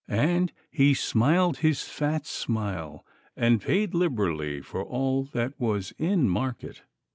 And he smiled his fat smile, and paid liberally for all that was in market.